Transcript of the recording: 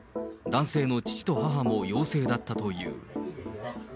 男性の父と母も陽性だったという。